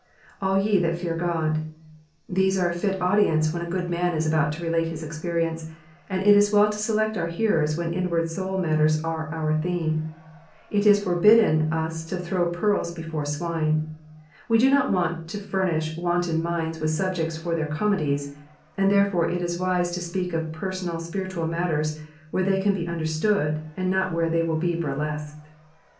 An ye that fear God.^^ These are a fit audience when a good man is about to relate his experience ; and it is well to select our hearers when inward soul matters are our theme. It is forbidden us to thiow pearls before swine. We do not w&nt to furnish wanton minds with subjects for their comedies, and therefore it is wise to speak of personal spiritual matters where they can be understood, and not where they will be burlesqued.